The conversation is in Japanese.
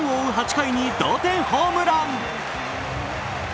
８回の同点ホームラン。